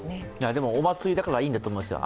でもお祭りだからいいんだと思うんですよ。